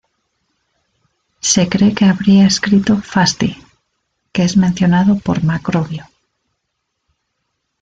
Se cree que habría escrito ""Fasti"", que es mencionado por Macrobio.